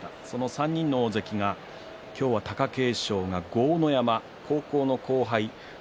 ３人の大関は今日は貴景勝が豪ノ山、高校の後輩です。